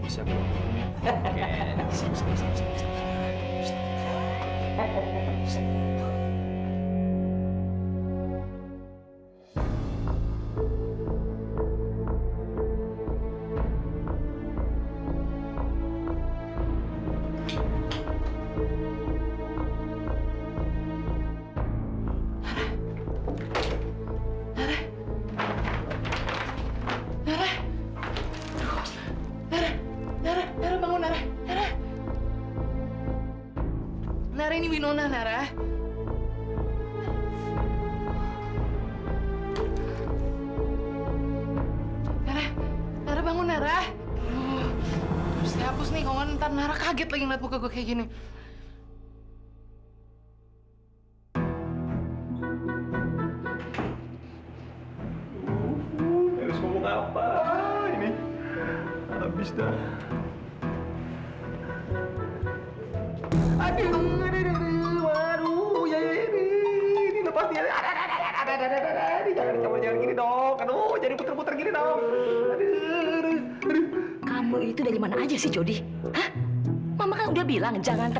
sampai jumpa di video selanjutnya